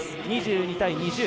２２対２０。